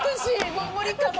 もう無理かも！